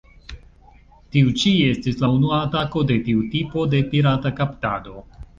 Tiu ĉi estis la unua atako de tiu tipo de pirata "kaptado".